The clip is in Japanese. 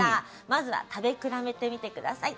まずは食べ比べてみて下さい。